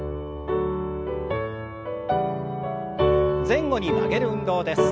前後に曲げる運動です。